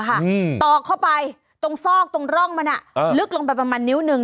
ตอกเข้าไปตรงซอกตรงร่องมันลึกลงไปประมาณนิ้วหนึ่ง